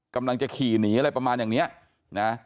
กำลังจะขี่หนีอะไรประมาณอย่างเนี้ยนะ